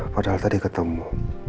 padahal tadi ketemu